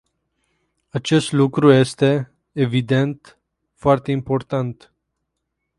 Acest lucru este, evident, foarte important.